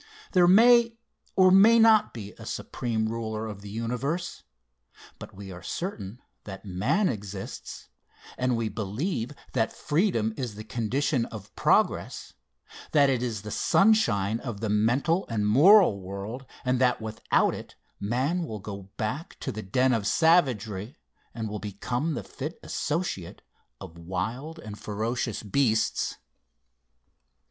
There may or may not be a Supreme Ruler of the universe but we are certain that man exists, and we believe that freedom is the condition of progress; that it is the sunshine of the mental and moral world, and that without it man will go back to the den of savagery, and will become the fit associate of wild and ferocious beasts.